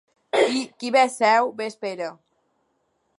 Qui bé seu, bé espera.